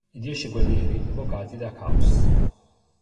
I dieci guerrieri evocati da Chaos.